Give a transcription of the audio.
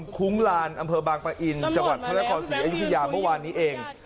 คุ้งลานอำเภอบางปะอินจังหวัดพระนครศรีอยุธยาเมื่อวานนี้เอง